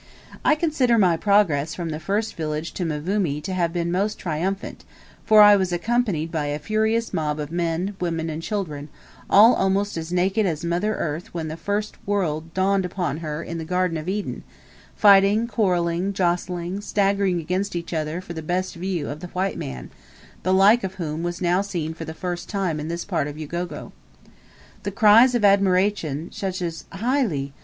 I consider my progress from the first village to Mvumi to have been most triumphant; for I was accompanied by a furious mob of men, women, and children, all almost as naked as Mother Eve when the world first dawned upon her in the garden of Eden, fighting, quarrelling, jostling, staggering against each other for the best view of the white man, the like of whom was now seen for the first time in this part of Ugogo. The cries of admiration, such as "Hi le!"